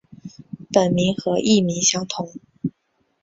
本名和艺名相同。